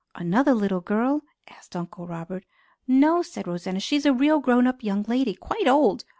"Another little girl?" asked Uncle Robert. "No," said Rosanna, "she is a real grown up young lady; quite old.